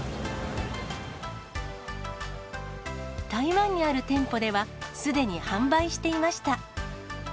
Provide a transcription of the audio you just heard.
台湾にある店舗では、すでに販売していました。